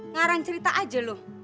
ngarang cerita aja lo